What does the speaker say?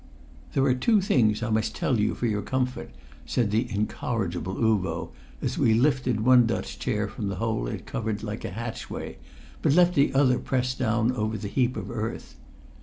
"There are two things I must tell you for your comfort," said the incorrigible Uvo as we lifted one Dutch chair from the hole it covered like a hatchway, but left the other pressed down over the heap of earth.